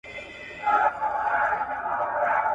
ایا خیر محمد به نن ماښام توده ډوډۍ کور ته یوسي؟